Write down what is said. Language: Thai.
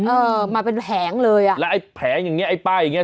เออมันเป็นแผงเลยอะและแผงอย่างนี้ไอ้ป้ายอย่างนี้